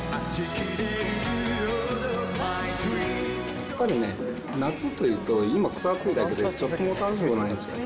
やっぱりね、夏というと、今、くそ暑いだけでちっとも楽しいことないんですよ。